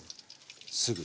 すぐ。